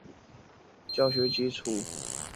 并完整地显示了教学法理论的教育学基础。